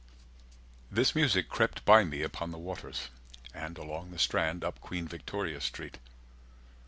"This music crept by me upon the waters" And along the Strand, up Queen Victoria Street.